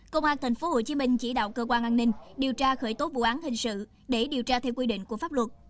công an tp hcm chỉ đạo cơ quan an ninh điều tra khởi tố vụ án hình sự để điều tra theo quy định của pháp luật